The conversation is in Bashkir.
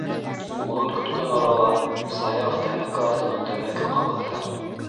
Улын көткән арала Саяф тәмәке артынан тәмәке ҡабыҙҙы.